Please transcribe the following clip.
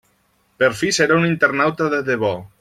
Per fi seré un internauta de debò!